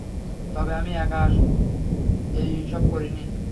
তবে আমি একা এই সব করিনি।